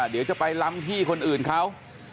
เดี๋ยวจะไปล้ำที่คนอื่นเขา